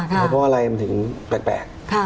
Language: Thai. เพราะว่าอะไรถึงแปลก